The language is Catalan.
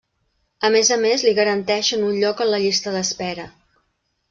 A més a més, li garanteixen un lloc en la llista d'espera.